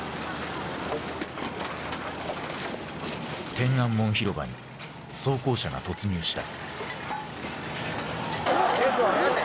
天安門広場に装甲車が突入した。